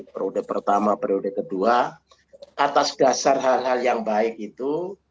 periode pertama periode kedua atas dasar hal hal yang baik itu